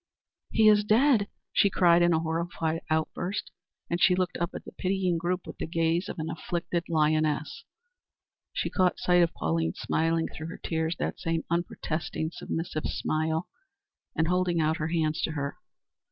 "He is dead," she cried, in a horrified outburst, and she looked up at the pitying group with the gaze of an afflicted lioness. She caught sight of Pauline smiling through her tears that same unprotesting, submissive smile and holding out her hands to her.